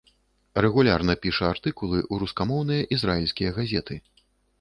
Рэгулярна піша артыкулы ў рускамоўныя ізраільскія газеты.